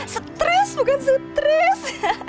stress bukan sutris